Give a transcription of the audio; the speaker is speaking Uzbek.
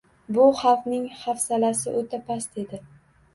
Bu xalqning hafsalasi o‘ta past edi.